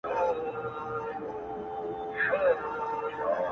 ته یې سل ځله لمبه کړه زه به بل درته لیکمه -